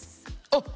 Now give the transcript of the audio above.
あっ！